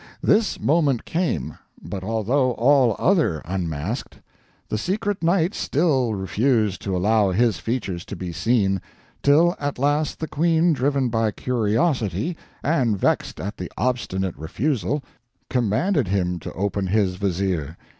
This moment came, but although all other unmasked; the secret knight still refused to allow his features to be seen, till at last the Queen driven by curiosity, and vexed at the obstinate refusal; commanded him to open his Vizier.